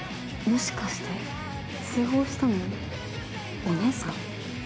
もしかして通報したのお姉さん？